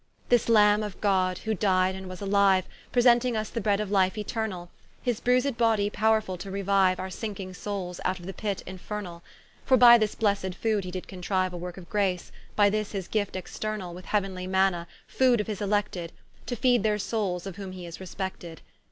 This lambe of God, who di'd, and was aliue, Presenting vs the bread of life Eternall, His bruised body powrefull to reuiue Our sinking soules, out of the pit infernall; For by this blessed food he did contriue A worke of grace, by this his gift externall, With heau'nly Manna, food of his elected, To feed their soules, of whom he is respected.